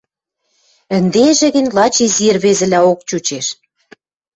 Ӹндежӹ гӹнь лач изи ӹрвезӹлӓок чучеш.